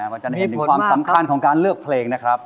มันจะได้เห็นถึงความสำคัญของการเลือกเพลงนะครับ